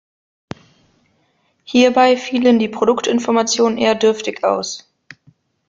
Hierbei fielen die Produktinformationen eher dürftig aus.